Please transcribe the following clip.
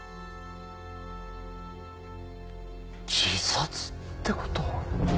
自殺ってことは。